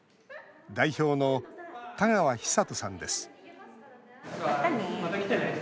代表の田川尚登さんです